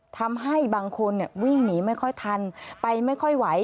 ทำให้บางคนวิ่งหนีไม่ค่อยทันไปไม่ค่อยไหว